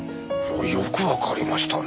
よくわかりましたねえ。